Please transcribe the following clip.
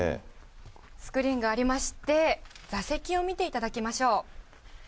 スクリーンがありまして、座席を見ていただきましょう。